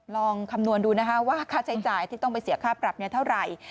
ลองคำนวณดูนะคะว่าค่าใช้จ่ายที่ต้องไปเสียค่าปรับเท่าไหร่